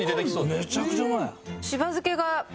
めちゃくちゃうまい。